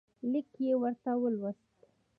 لیک یې ورته ولوست.